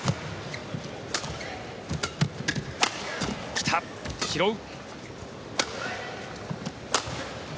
来た、拾う。